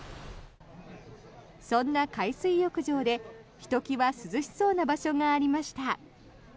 そんな海水浴場でひときわ涼しそうな場所がありました。